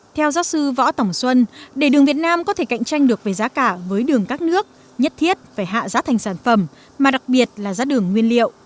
theo giáo sư võ tổng xuân để đường việt nam có thể cạnh tranh được với giá cả với đường các nước nhất thiết phải hạ giá thành sản phẩm mà đặc biệt là giá đường nguyên liệu